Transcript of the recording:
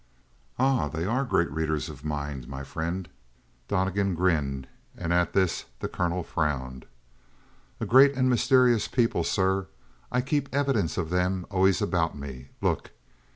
"Ah, they are great readers of mind, my friend." Donnegan grinned, and at this the colonel frowned. "A great and mysterious people, sir. I keep evidences of them always about me. Look!"